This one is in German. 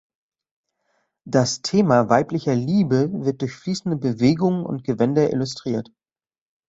Das Thema weiblicher Liebe wird durch fließende Bewegungen und Gewänder illustriert.